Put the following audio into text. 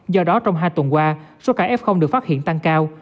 do đó trong hai tuần qua số ca f được phát hiện tăng cao